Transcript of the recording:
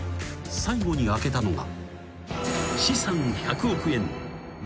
最後に開けたのが］